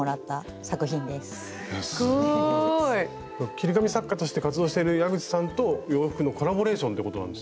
切り紙作家として活動している矢口さんと洋服のコラボレーションということなんですね。